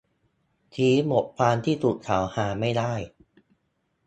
ชี้บทความที่ถูกกล่าวหาไม่ได้